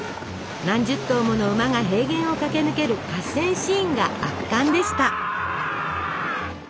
何十頭もの馬が平原を駆け抜ける合戦シーンが圧巻でした。